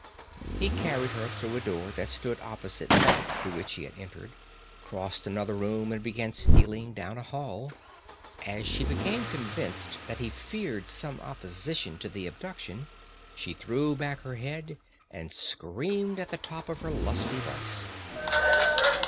He carried her through a door that stood opposite that through which he had entered, crossed another room and began stealing down a hall. As she became convinced that he feared some opposition to the abduction, she threw back her head and screamed at the top of her lusty voice.